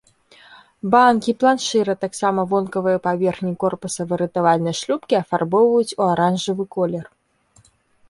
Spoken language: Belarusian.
Банкі, планшыр, а таксама вонкавыя паверхні корпуса выратавальнай шлюпкі афарбоўваюць у аранжавы колер.